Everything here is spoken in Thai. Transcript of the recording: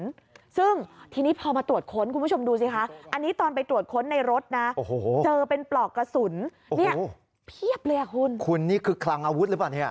คุณนี่คือคลังอาวุธหรือเปล่าเนี่ย